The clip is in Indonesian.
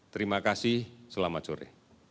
terima kasih selamat sore